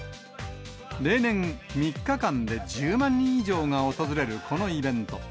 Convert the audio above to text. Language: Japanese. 例年、３日間で１０万人以上が訪れるこのイベント。